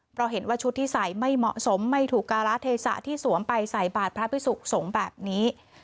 เพราะเห็นว่าชุดที่ใส่ไม่เหมาะสมไม่ถูกการาเทศะที่สวมไปใส่บาทพระพิสุขสงฆ์แบบนี้